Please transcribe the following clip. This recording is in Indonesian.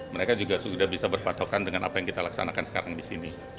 mereka juga sudah bisa berpatokan dengan apa yang kita laksanakan sekarang di sini